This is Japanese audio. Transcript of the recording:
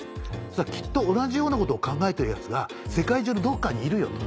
そしたらきっと同じようなことを考えてるヤツが世界中のどこかにいるよ」と。